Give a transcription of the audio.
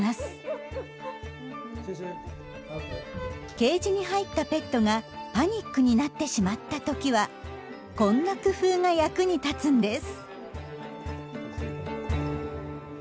ケージに入ったペットがパニックになってしまった時はこんな工夫が役に立つんです。